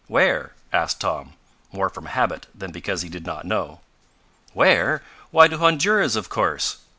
"Where?" asked Tom, more from habit than because he did not know. "Where? Why to Honduras, of course!